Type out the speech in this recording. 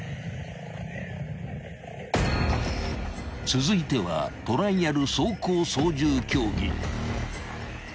［続いてはトライアル走行操縦競技］